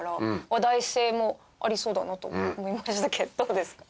話題性もありそうだなと思いましたけどどうですか？